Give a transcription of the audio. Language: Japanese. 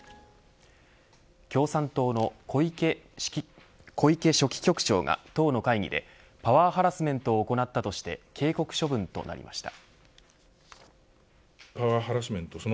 共産党の小池書記局長が党の会議でパワーハラスメントを行ったとして警告処分となりました。